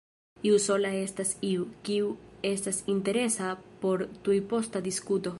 Iu sola estas iu, kiu estas interesa por tujposta diskuto.